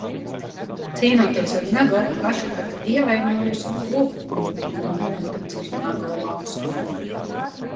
Cīnoties ar Nago, Ašitaka ievainoja savu roku un tika nolādēts ar Nago lāstu.